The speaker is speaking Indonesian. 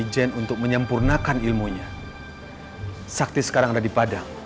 dia berada di gunung ijen untuk menyempurnakan ilmunya sakti sekarang ada di padang